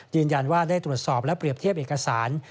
ยืนยันว่าได้ตรวจสอบและเปรียบเทียบเอกสาร